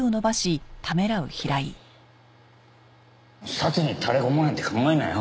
サツにたれ込もうなんて考えるなよ。